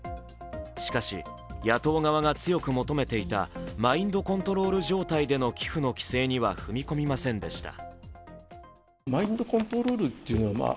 しかし、野党側が強く求めていたマインドコントロール状態での寄付の規制には踏み込みませんでした。